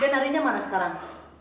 dan arinya mana sekarang